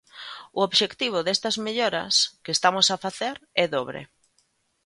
O obxectivo destas melloras que estamos a facer é dobre.